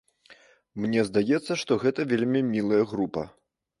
Мне здаецца, што гэта вельмі мілая група.